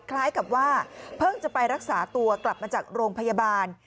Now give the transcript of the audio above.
คล้ายกับว่าเพิ่งจะไปรักษาตัวกลับมาจากโรงพยาบาล